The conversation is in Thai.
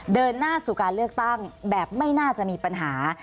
เดินหน้าสู่การเลือกตั้งแบบไม่น่าจะมีปัญหา